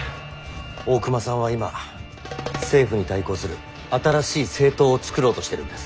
大隈さんは今政府に対抗する新しい政党を作ろうとしてるんです。